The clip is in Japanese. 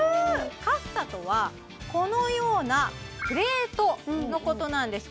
カッサとはこのようなプレートのことなんです